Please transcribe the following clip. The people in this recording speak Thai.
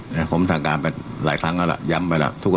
ผมก็ว่าส่างการไปหลายครั้งแล้วย้ำไปแล้ว